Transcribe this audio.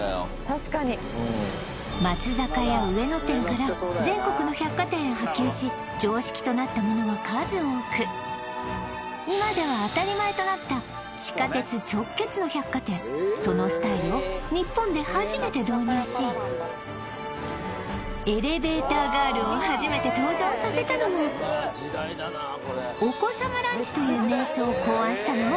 確かに松坂屋上野店から全国の百貨店へ波及し常識となったものは数多く今では当たり前となった地下鉄直結の百貨店そのスタイルを日本で初めて導入しエレベーターガールを初めて登場させたのもお子様ランチという名称を考案したのも